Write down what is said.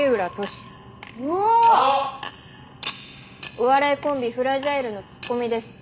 お笑いコンビフラジャイルのツッコミです。